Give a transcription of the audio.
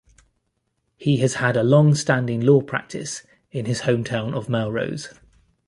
He has had a longstanding law practice in his hometown of Melrose.